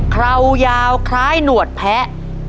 คราวยาวคล้ายหนวดแพ้